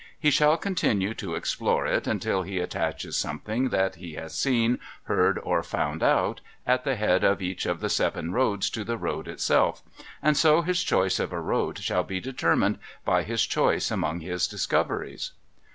He shall continue to explore it, until he attaches something that he has seen, heard, or found out, at the head of each of the seven roads, to the road itself. And so his choice of a road shall be determined by his choice among his discoveries.'